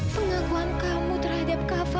pengaguan kamu terhadap kafa